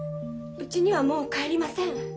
うちにはもう帰りません。